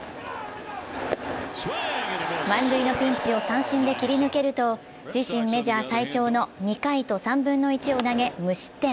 満塁のピンチを三振で切り抜けると自身メジャー最長の２回と３分の１を投げ無失点。